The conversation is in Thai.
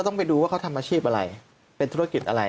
ต้องไปดูว่าเขาทำอาชีพอะไรเป็นธุรกิจอะไร